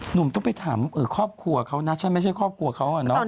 หนุ่มต้องไปถามขอบครัวเขาน่ะใช่ไหมไม่ใช่ขอบครัวเขาน่ะ